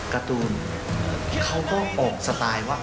การ์ตูนเขาก็ออกสไตล์ว่า